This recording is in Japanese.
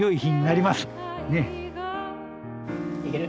いける？